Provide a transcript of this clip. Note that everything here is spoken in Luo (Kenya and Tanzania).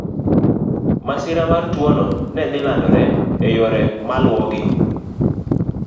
Masira mar tuwono ne dhi landore e yore maluwogi.